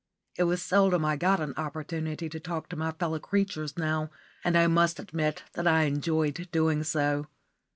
It was seldom I got an opportunity to talk to my fellow creatures now, and I must admit that I enjoyed doing so.